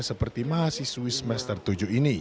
seperti mahasiswi semester tujuh ini